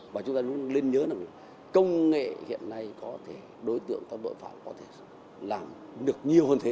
và chúng ta luôn lên nhớ là công nghệ hiện nay có thể đối tượng có đội phòng có thể làm được nhiều hơn thế